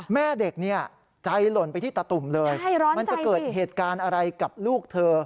แม่เด็กเนี่ยใจหล่นไปที่ตาตุ่มเลยมันจะเกิดเหตุการณ์อะไรกับลูกเธอ